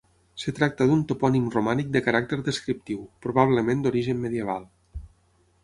Es tracta d'un topònim romànic de caràcter descriptiu, probablement d'origen medieval.